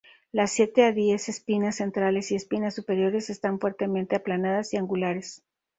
Las siete a diez espinas centrales y espinas superiores están fuertemente aplanadas y angulares.